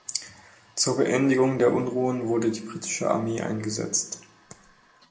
Zur Beendigung der Unruhen wurde die Britische Armee eingesetzt.